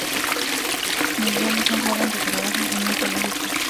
Miguel es un joven que trabaja en un zoológico.